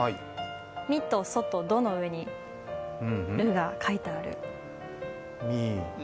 ミとソとドの上に「る」が書いてある。